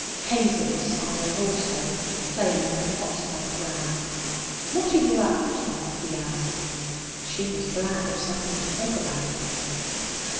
Hazel was silent also, playing with a foxglove flower. 'What are you up to?' he asked. She was glad of something to talk about.